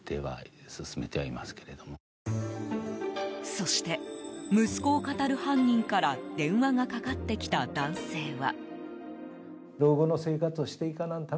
そして、息子をかたる犯人から電話がかかってきた男性は。